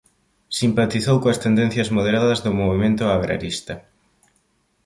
Simpatizou coas tendencias moderadas do movemento agrarista.